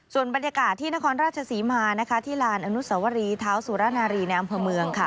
ส่วนบรรยากาศที่นครราชศรีมาที่ลานอนุสวรีเท้าสุรนารีในอำเภอเมืองค่ะ